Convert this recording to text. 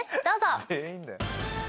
どうぞ！